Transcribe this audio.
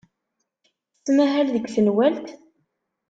Tettmahal deg tenwalt?